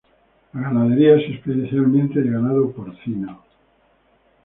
La ganadería es especialmente de ganado porcino.